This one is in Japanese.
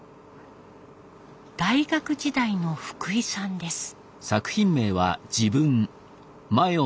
大学時代の福井さんです。